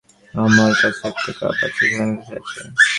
আমার কাছে একটা কাপ আছে যেখানে লেখাই আছে।